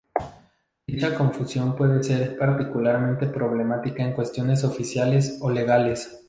Dicha confusión puede ser particularmente problemática en cuestiones oficiales o legales.